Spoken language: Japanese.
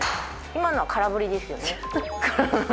今のは空振りですよね。